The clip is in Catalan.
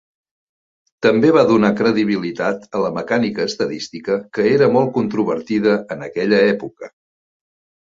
També va donar credibilitat a la mecànica estadística, que era molt controvertida en aquella època.